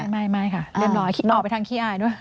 ไม่ค่ะเรียบร้อยออกไปทางขี้อายด้วย